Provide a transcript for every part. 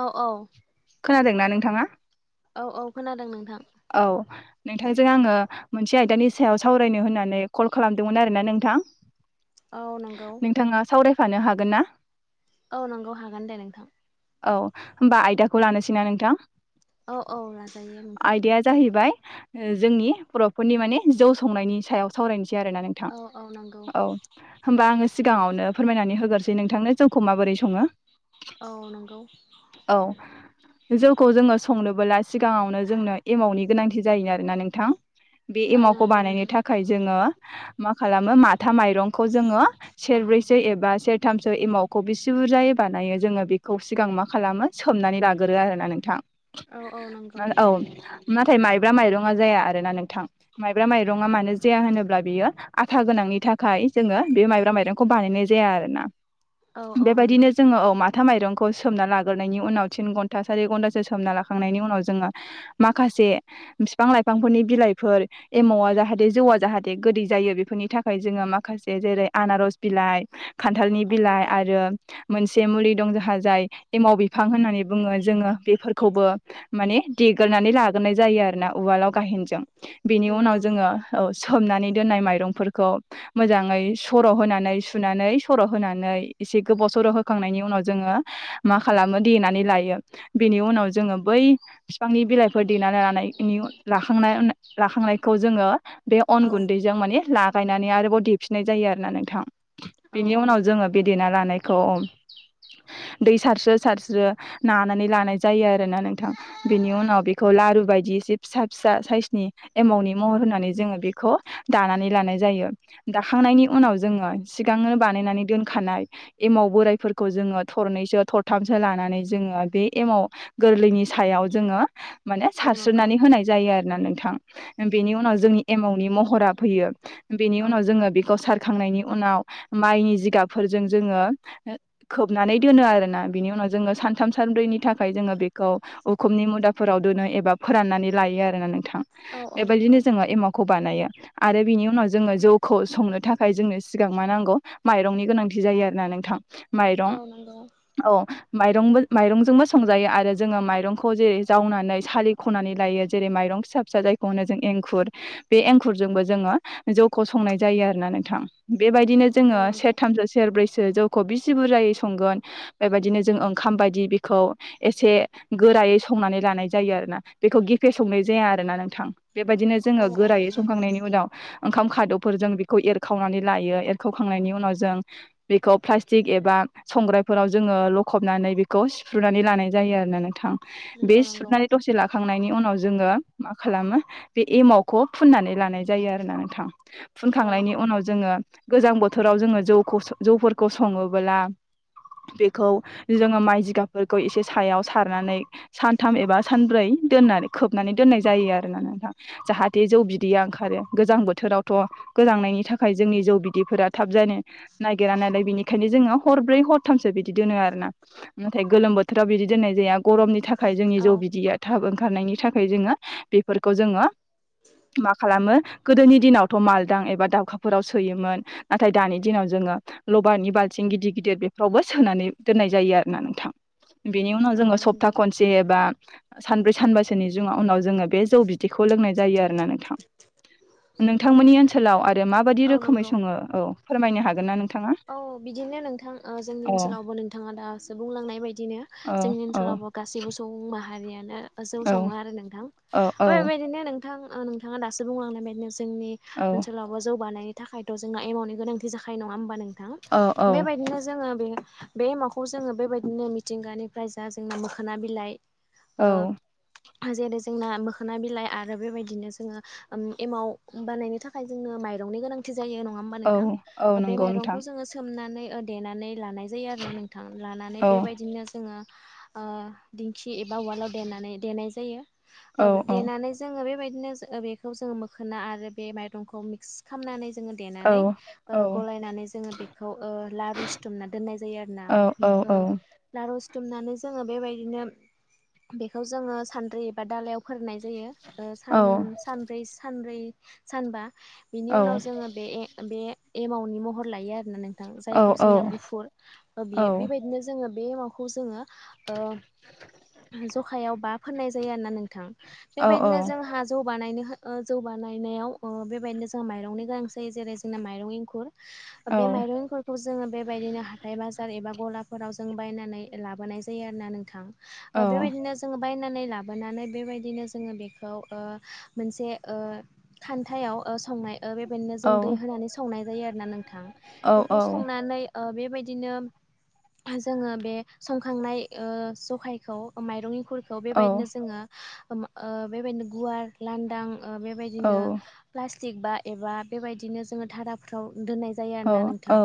औ औ। खोनादोंना नोंथाङा? औ औ खोनादों नोंथां। औ नोंथांजों आङो मोनसे आयदानि सायाव सावरायनो होननानै माने कल खालामदोंमोन आरोना नोंथां। औ नंगौ। थानो हागोन ना? औ नंगौ हागोन दे नोंथां। औ होमबा आयदाखौ लानोसै ना नोंथां? औ औ लाजायो नों आयदाया जाहैबाय जोंनि बर'फोरनि माने जौ संनायनि सायाव सावराय नोसै आरोना नोंथां औ औ नंगौ औ होमबा आङो सिगाङावनो फोरमायनानै होगोरसै नोंथांनो जौखौ माबोरै सङो औ नंगौ। औ जौखौ जोङो संनोबोला सिगाङावनो जोंनो एमावनि गोनांथि जायो आरो ना नोंथां। बे औ एमावखौ नंगौ बानायनो नोंथां थाखाय जोङो मा खालामो माथा माइरंखौ जोङो सेरब्रैसो एबा सेरथामसो एमावखौ बेसे बुरजायै बानायो जोङो बेखौ सिगां मा खालामो सोमनानै लागोरो आरोना नोंथां। औ औ नंगौ। औ नाथाय माइब्रा माइरङा जाया आरोना नोंथां माइब्रा माइरङा मानो जाया होनोब्ला बियो आ था गोनांनि थाखाय जोङो बे माइब्रा माइरंखौ बानायनाय जाया आरो ना। औ औ नंगौ बेबायदिनो जोङो औ मा था माइरंखौ सोमना लाग्रोनायनि उनाव तिन घन्टा सारि घन्टासो सोमना लाखांनायनि उनाव जोङो माखासे बिफां लाइफांफोरनि बिलाइफोर एमावा जाहाथे जौआ जाहाथे गोदै जा जायो बेफोरनि थाखाय जोङो माखासे जेरै आनार'स बिलाइ खान्थालनि औ बिलाइ नंगौ आरो मोनसे मुलि दं जोंहा जाय एमाव बिफां होननानै बुङो जोङो बेफोरखौबो माने देग्रोनानै लाग्रोनाय जायो आरोना उवालाव गायहेनजों बेनि नंगौ उनाव नंगौ जोङो सोमनानै दोननाय माइरंफोरखौ मोजाङै सर' होनानै सुनानै सर' होनानै एसे गोबाव सर' होखांनायनि उनाव जोङो मा खालामो देनानै लायो बेनि उनाव जोङो बै बिफांनि बिलाइफोर देनानै लानायनि लाखांनायनि लाखांनायखौ जोङो बे अन औ गुन्दैजों माने लागायनानै आरोबाव देफिननाय जायो आरोना नोंथां। औ बेनि औ उनाव नंगौ जोङो बे देना लानायखौ दै सारस्रो सारस्रो नानानै लानाय जायो आरोना नोंथां। बेनि उनाव बेखौ लारु बायदि एसे फिसा फिसा साइसनि एमावनि महर होनानै जोङो बेखौ दानानै लानाय जायो दाखांनायनि उनाव जोङो सिगांनो बानायनानै दोनखानाय एमाव बोरायफोरखौ जोङो थरनैसो थरथामसो लानानै जोङो बे एमाव गोरलैनि सायाव- जोङो माने औ नंगौ सारस्रोननानै होनाय जायो आरो। ना नोंथां बेनि उनाव जोंनि एमानि महरा फैयो बेनि औ उनाव जोङो बेखौ सार खांनायनि उनाव माइनि जिगाबफोरजों जोङो खोबनानै दोनो आरो ना बिनि उनाव जोङो सानथाम सानब्रैनि थाखाय जोङो बेखौ उम उखुमनि मुदाफोराव दोनो एबा फोराननानै लायो आरो ना नोंथां औ औ बेबायदिनो नंगौ जोङो एमाखौ बानायो आरो बिनि उनाव जोङो जौखौ संनो थाखाय जोंनो सिगां मा नांगौ माइरंनि गोनांथि जायो। जायो आरो ना नोंथां। माइरं औ नंगौ औ माइरंबो माइरंजोंबो संजायो आरो जोङो माइरं जेरै जावनानै सालि खनानै लायो जेरै माइरं फिसा फिसा जायखौ जों एंखुर बे एंखुर जों जोङो जौखौ संनाय जायो आरोना नोंथां बेबायदिनो औ जोङो नंगौ सेरथामसौ सेर ब्रैसो जों जौखौ बिसि बुरजायै संगोन बेबायदिनो जों ओंखाम बायदि बेखौ एसे गोरायै संनानै लानाय जायो आरो ना बेखौ गेफे संनाय जाया आरोना नोंथां। बेबायदिनो औ जोङो औ गोरायै नंगौ संखांनायनि उनाव ओंखाम खाद'फोरजों बेखौ एरखावनानै लायो एरखावखांनायनि उनाव जों बेखौ प्लास्टिक एबा। संग्रायफोराव जोङो लखबनानै बेखौ सिफ्रुनानै लानाय जायो आरो ना थां बे नंगौ नंगौ सुरनानै दसे लाखांनायनि उनाव जोङो मा खालामो बे एमावखौ फुननानै लानाय जायो आरो ना नोंथां औ फुनखांनायनि उनाव जोङो गोजां बोथोराव जोङो जौखौ जौफोरखौ सङोबोला बेखौ जोङो माइ जिगाबफोरखौ एसे सायाव सार सारनानै सान्थाम एबा सब्रै दोनाखोबनानै दनाय जायोनोंथ जाहाथे जो जौ बिदैया ओंखारो गोजां बोथोरावथ' गोजांनायनि थाखाय जोंनि जौ बिदैफोरा थाब जानो नागि नागिरा नालायबिनिखयनो जों हरब्रै हरथामसो बिदि दोनो आरो ना नाथाय गोलोमोथाव बिदि दनाय जौव गरमनि थाखाय जोंनि औ जौव बिददिया थाब ओंखारनायनि थाखाय जोङो बेफोरखौ जोङो मा खालामो गोदोनि दिनावथ' मालदां एबा दाउखाफोराव सोयोमोन नाथाय दानि दिनाव जों नि ल'बारनि बाल्थिग गिदिर गिदिर बिफोराव बोसोनानै दनाय जायो आरो ना नोंथां बिनि उनाव औ जों स'बता नंगौ खनसेबा सानब्रै सानबोसोनि जो उनाव जोङो बे जौ बिदैखौ लोंनाय जायो आरोना नोंथां। नोंथांमोननि ओनसोलाव आरो माबायदि औ रोखोमै नंगौ सङो औ फोरमायनो हागोन ना नोंथ औ बिदिनो नोंथां जोंनि औ ओनसोलावबो नोंथाङा दासो बुंलांनाय बायदिनो औ जोंनि औ ओनसोलाव। ब गाससिबो सुबुं माहारियानोजौ औ सङो आरो नोंथां औ औ ओबिबादिनो बेबायदिनोंथां। नोंथां नोंथाङा दासो बुंलांनाय बायदिनो जोंनि औ ओनसोलावबो जौवबानाय थाखायथ' जोंना एमाउन्टनि गोनांथि जाखानाय नङा होमबा नोंथां बेबायदिनो जोङो बे बे एमाखौ जोङो बेबायदिनो मिथिंगानिफ्राय जा जोङो मोखोना बिलाइ ओ औ। जेरै जोंना मोखोना बिलाइ आरो बेबायदिनो जोङो एमाव बानायनो थाखाय जोंनो मायरं नि गोनां थिंजाय न'आव होनब्ला नों औ औ थां बे नंगौ मायरं खौ नोंथां जोङो सोमनानै देनानै लानाय जायो आरो ना नोंथां लानानै औ बेबायदिनो जोङो ओ दिंखि एबा उवालाव देनानै देनाय जायो। ओ औ औ देनानै जोङो बेबायदि बिदिनो बेखौ जोङो मोखोना आरो बे माइरंखौ मिक्स खालामनानै औ देनानै ओ औ गलाय जों न लारु सिथुमना दोननाय जायो आरोना। औ औ आर'ज दुमनानै जोङो बेबायदिनो बेखौ जोङो सान्द्रि एबा दालायाव फोरोननाय ज जायो सान औ सानब्रै सानब्रै सानबा औ बिनि उनाव जोङो बे बे एमाउनि महर लायो आरोना नों जायखौ जोंनिना गुफुर बियो बेबायदिनो जोङो बे एमाउ मावखौ जोङो जखायाव बा फोननाय जायो आरोना नोंथां बेबायदिनो जों हा जौ बानायनो जौवबानायनायाव बेबायदिनो जोंहा माइरंनि गोनां जायो जेरै जोंना माइरं एंखुर बे माइरंफोरखौ जोङो बेबायदिनो हाथाय बाजार एबा गलाफोराव जों बायनानै लाबोनाय जायो आरो ना नोंथां ओ बेबायदिनो जोङो। बायनानै लाबोनानै बेबायदिनो जोङो बेखौ ओ मोनसे ओ खान्थायाव ओ संनाय ओ बेबायदिनो जों दै होनानै संनाय जायो आरोना नोंथां बेखौ संनानै आह बेबायदिनो। जोङो बे संखांनाय ओ जखायखौ माइरं इंखुर फुलखौ बेबायदिनो जोङो ओ बेबायदिनो गुवार लांदां ओ बेबायदिनो प्लास्टिक बा एबा बेबायदिनो जोङो धाराफ्राव दोननाय जायो आरोना नोंथां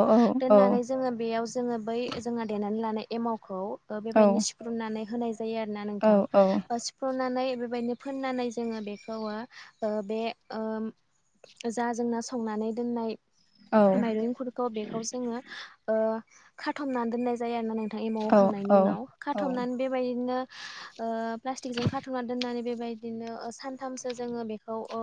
दोननानै जोङो बेयाव जोङो बै जोंहा देनानै लानाय एमावखौ ओ बेबायदिनो सिफ्रुननानै होनाय जायो आरो ना नोंथां ओ सिुफ्रुनानै बेबायदिनो फोननानै जोङो बेखौ ओ बे जा जोंना संनानै दोननाय माइरं एंखुरखौ बेखौ जोङो ओ खाथमनानै दोननाय जायो आरोना नोंथां एमाव होखांनायनि उनाव खाथबनानै बेबायदिनो ओ प्लास्टिक जों खाथ'ना दोननानै बे बेबायदिनो सानथामसो जोङो बेखौ अ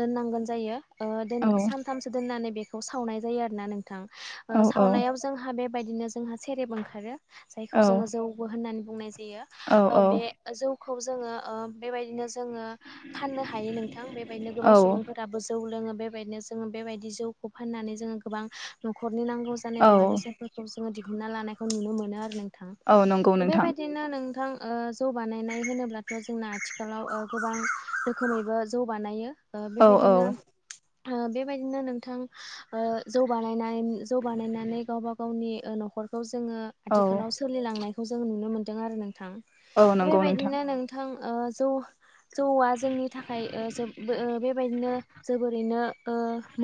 दोननांगोन जायो ओ दोन सानथामसो दोननानै बेखौ सावनाय जायो आरो ना नोंथां ओ सावनायाव जोंहा बे बे बायदिनो जोंहा सेरेब ओंखारो जायखौ जोङो जौबो होन्नानै बुंनाय बेयो औ ओ औ बे जौखौ जोंङो ओ बायदिनो जोङो फाननो हायो नोंथां बेबायदिनो गोबां सुबुंफोराबो जौ लोङो बेबायदिनो जोङो बेबायदि जौखौ फाननानै जोङो गोबां न'खरनि नांगौ जानाय मुवा बेसादफोरखौ जोङो दिहुनना लानायखौ नुनो मोनो आरो नों- थां औ नंगौ नोंथां बेबायदिनो नोंथां ओ जौ बानायनाय होनोब्लाथ' जोंना आथिखालाव ओ गोबां रोखोमैबो जौ बानायो ओ औ बेबायदिनो औ ओ बेबायदिनो नोंथां ओ जौ बानायनाय जौ बानायनानै गावबा गावनि ओ न'खरखौ सि जोङो औ आथिखालाव सोलिलांनायखौ जों नुनो मोन्दों आरो नोंथां औ नंगौ बेबायदिनो नोंथां ओ जौ जौआ जोंनि थाखाय ओ जोबो बेबायदिनो जोबोरैनो ओ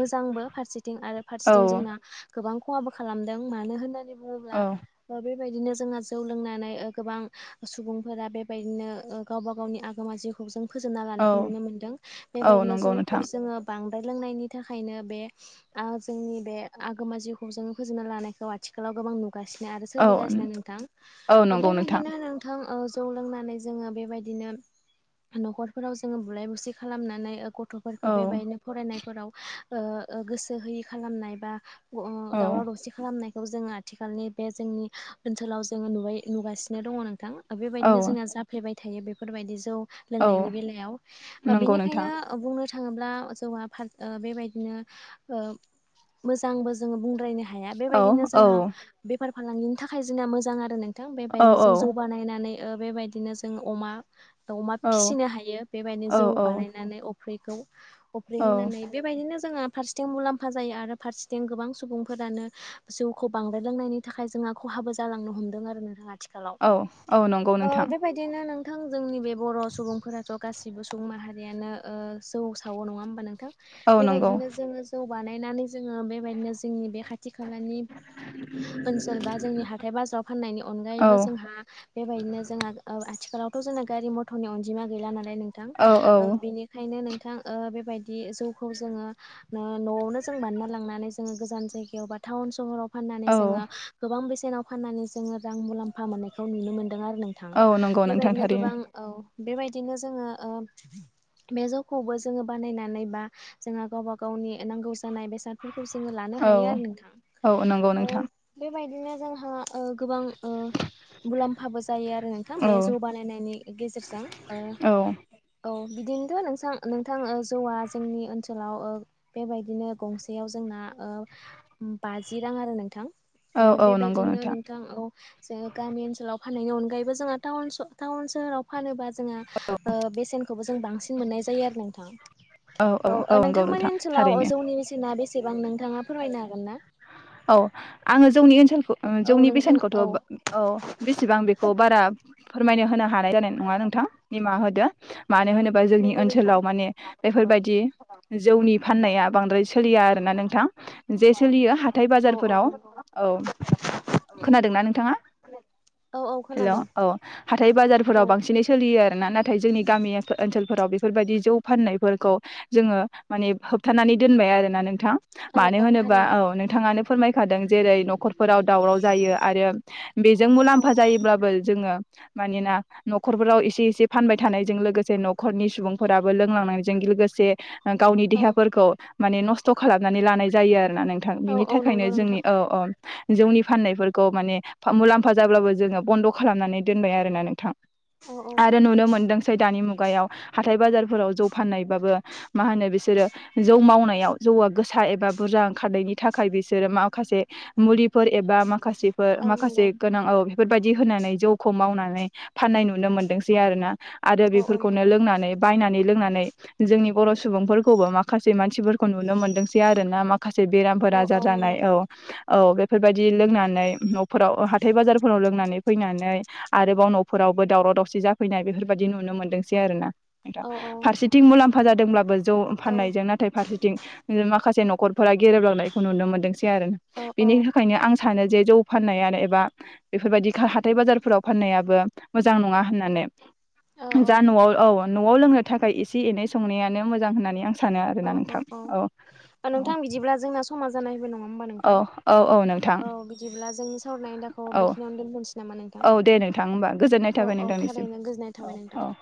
मोजां फारसेथिं आरो औ फारसेथिं जोंना गोबां खहाबो खालामदों मानो होननानै बुङोब्ला औ ओ बे बेबायदिनो जोंहा जौ लोंनानै ओ गोबां सुबुंफोरा बेबायदिनो ओ गावबा गावनि आगोमा जिउखौ जों फोजोबना औ लानायखौ नुनो मोन्दों औ बेबायदिनो नंगौ जौखौ नोंथां जोङो बांद्राय लोंनायनि थाखायनो बे आ जोंनि बे आगोमा जिउखौ जोङो फोजोबना लानायखौ आथिखालाव गोबां नुग गासिनानो आरो औ सोलिगासिनो नोंथां औ ओ नंगौ बेबायदिनो नोंथां ओ जौ लोंनानै जोङो बेबायदिनो न'खरफोराव जोङो बुलाय बुसि खालामनानै ओ गथ' गथ'फोरखौ औ बेबायदिनो फरायनायफोराव ओ ओ गोसो होयि खालामनाय बा अ अ औ दावराव दसि खालामनाय खौ जोङो आथिखालनि बे जोंनि ओनसोलाव जोङो नुबाय नुगासिनो दङ नोंथां औ बेबायदिनो जोंना जाफ्लेबाय थायो बेफोरबायदि जौ औ लोंनायनि बेलायाव नंगौ बेनिखायनो नोंथां बुंनो थाङोब्ला जौआ फार बेबायदिनो ओ मोजांबो जोङो बुंद्रायनो हाया औ बेबायदिनो औ जोंहा बे बेफार फालांगिनि थाखाय जोंना मोजां आरो नोंथां औ बेबायदिनो जों औ जौबानायनानै ओ बेबायदिनो जों अमा अमा औ फिसिनो हायो बेबायदिनो जौ औ बानायनानै अब अफ्रिखौ अफ्रि औ होनानै बेबायदिनो जोङा फारसेथिं मुलाम्फा जायो आरो फारसेथिं गोबां सुबुंफोरानो जिउखौ बांद्राय लोंनायनि थाखाय जोंहा खहा हाबो जालांनो हमदों आरो नोंथां आथिखालाव औ औ नंगौ ओ नोंथां बेबायदिनो नों नोंथां जोंनि बे बर' सुबुंफोराथ' गासिबो सुबुं माहारियानो ओ जौ सावो नङा होमबा नोंथां औ नंगौ बेबायदिनो जोङो जौ बानायनानै जोङो बेबायदिनो जोंनि बे खाथि खालानि ओनसोल बा जोंनि हाथाय बाजाराव फाननायनि औ अनगायैबो जोंहा बेबायदिनो जोंहा आ आथि खालावथ' जोंना गारि मथरनि अनजिमा गैला नालाय नोंथां औ औ ओ बेनिखायनो नों थां ओ बेबायदि जौखौ जोङो नआवनो जों बानना लांनानै जोङो गोजान जायगायाव बा टाउन सहराव फाननानै औ जोङो गोबां बेसेनाव फाननानै जोङो रां मुलाम्फा मोननायखौ नुनो मोन दों आरो नोंथां औ नंगौ नोंथां बेबायदिनो थारैनो गोबां औ बेबायदिनो जोङो ओ बे जौखौबो जोङो बानायनानै बा जोंहा गावबा गाव गावनि नांगौ जानाय बेसादफोरखौ जोंङो लानो औ हायो आरो नोंथां औ नंगौ नोंथां ओ बे बेबायदिनो जोंहा ओ गोबां ओ मुलाम्फाबो जायो आरो नोंथां औ बे जौ बानायनायनि गेजेरजों ओ औ औ बिदिनोथ'श नोंसां नोंथां ओ जौआ जोंनि ओनसोलाव ओ बेबायदिनो गंसेयाव जोंना ओ बाजि रां आरो नोंथां औ औ नंगौ बेबायदिनो नोंथां औ जों गामि ओनसोलाव फा नायनि अनगायैबो जोंहा टाउन सोहोराव फानोबा जोंहा ओ बेसेन खौबो जों बांसिन मोननाय जायो आरो नोंथां औ औ औ नंगौ नोंथां ओ थारैनो जौनि बेसेना बेसेबां नोंथाङा फोरमायनो हागोन ना औ आङो जौनि ओनसोल खौ औ जौनि नोंथां बेसेनखौथ औ औ बेसेबां बेखौ बारा फोरमायनो होनो हाथ नाय जानाय नङा नोंथां निमाहा होदो मानो होनोबा जोंनि नंगौ नोंथां ओनसोलाव माने बेफोरबायदि जौनि फाननाया बांद्राय सोलिया आरोना नोंथां जे सोलियो हाथाय औ औ बाजारफोराव नंगौ। औ खोनादोंना नोंथाङा औ औ हेलो खोनादों औ हाथाय औ बाजारफोराव बांसिनै सोलियो आरो ना नाथाय जोंनि गामि ओनसोलफोराव बे बेफोरबायदि जौ फाननायफोरखौ जोङो माने होबथानानै दोनबाय आरोना नों नोंथां औ मानो औ होनोबा थारैनो औ नोंथाङानो फोरमायखादों जेरै नखरफोराव दावराव जायो आरो बेजों औ मुलाम्फा जायोब्लाबो जोङो मानोना नखरफोराव एसे एसे फानबाय थानायजों लोगोसे नखरनि सुबुंफोराबो लोंलांनायजों गि लोगोसे गावनि औ देहाफोरखौ माने नस्थ' खालामनानै लानाय जायो आरो आरोना नोंथां औ बिनि औ थाखायनो नंगौ जोंनि नोंथां औ औ जौनि फाननायफोरखौ माने मुलाम्फा जाब्लाबो जोङो बन्द खालामनानै दोनबाय आरो ना नोंथां औ औ आरो नुनो थारैनो मोनदोंसै दानि मुग गायाव हाथाय बाजारफोराव जौ फाननायबाबो मा होनो बिसोरो जौ मावनायाव जौआ गोसा सा एबा बुरजा ओंखारनि थाखाय बिसोरो माखासे मुलिफोर एबा माखासेफोर औ माखासे नंगौ गोनां औ बेफोरबायदि होनानै जौखौ मावनानै फाननाय नुनो मोनदोंसै आरो ना आरो औ औ बेफोरखौनो नंगौ लोंनानै बायनानै लोंनानै जोंनि बर सुबुंफोरखौबो माखासे मानसिफोरखौ नुनो मोनदोंसै आरोना मा से औ बेरामफोरा औ जाजानाय नंगौ औ औ बेफोरबायदि लोंनानै फोराव हाथाय बाजारफोराव लोंनानै फैनानै आरोबाव नफोरावबो दावराव दावसि जाफैनाय बेफोरबायाददि नुनो मोन्दोंसै आरो ना नोंथां औ औ फारसेथिं मुलाम्फा जादोंब्लाबो जौ औ फाननायजों नाथाय फारसेथिं ओ माखासे नखर फोर गेरेबलांनायखौ नुनो मोन्दोंसै आरो औ बेनि थाखायनो आं सानो जे जौ फाननायानो एबा बेफोरबादि हाथाय बाजारफोराव फाननायाबो मोजां नङा होननानै जा नआव औ नआव लोंनो थाखाय एसे एनाय संनायानो मोजां होननानै आं सानो आरोना नोंथां औ औ नोंथां बिदिब्ला जोंना समा जानायबो नंङा नंङा होमबा औ औ नोंथां औ बिदिब्ला जों सावरायनाय आयदा दाखौ औ बेखिनियावनो दोनथनोसै नामा नोंथां औ दे नोंथां होमबा गोजोननाय औ थाबाय औ नोंथांनिसिम थारैनो गोजोननाय थाबाय औ नोंथां औ